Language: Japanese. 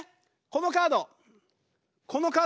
このカード。